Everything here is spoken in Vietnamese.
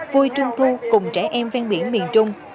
vui trung thu cùng trẻ em ven biển miền trung